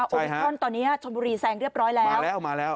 โอมิครอนตอนนี้ชนบุรีแซงเรียบร้อยแล้วแซงแล้วมาแล้ว